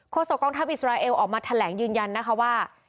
โศกองทัพอิสราเอลออกมาแถลงยืนยันนะคะว่า